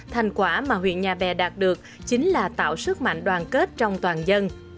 thành quả mà huyện nhà bè đạt được chính là tạo sức mạnh đoàn kết trong toàn dân